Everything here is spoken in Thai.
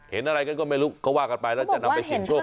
เห็นอะไรกันก็ไม่รู้เขาว่ากันไปแล้วจะนำไปสินโชคกันด้วย